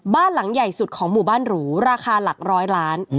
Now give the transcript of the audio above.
บ้านหลังใหญ่สุดของหมู่บ้านหรูราคาหลักร้อยล้าน